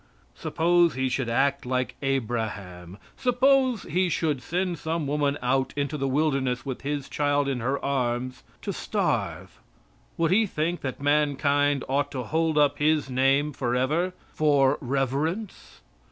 Suppose he should act like Abraham. Suppose he should send some woman out into the wilderness with his child in her arms to starve, would he think that mankind ought to hold up his name forever, for reverence.